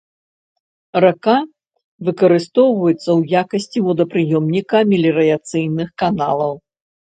Рака выкарыстоўваецца ў якасці водапрыёмніка меліярацыйных каналаў.